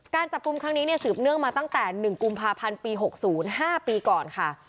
การจับกลุ่มครั้งนี้สืบเนื่องมาตั้งแต่๑กุมภาพันธ์ปี๖๐๕ปีก่อนค่ะ